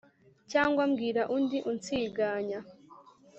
Cyangwa mbwira undi unsiganya